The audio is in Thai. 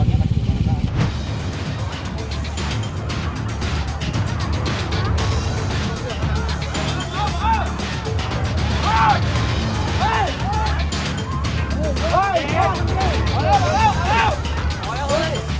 เผาแล้วเผาแล้ว